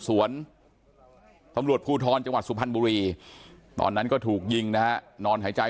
สวนตำรวจภูทรจังหวัดสุพรรณบุรีตอนนั้นก็ถูกยิงนะฮะนอนหายใจ